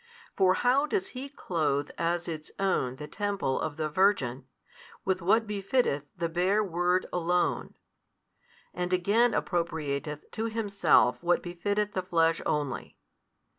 For how does He clothe as its own the Temple of the Virgin, with what befitteth the bare Word Alone: and again appropriateth to Himself what befitteth the Flesh only?